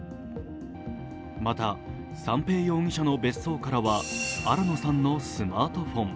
また、三瓶容疑者の別荘からは新野さんのスマートフォン。